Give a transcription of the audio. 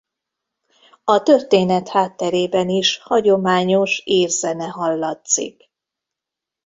A történet hátterében is hagyományos ír zene hallatszik.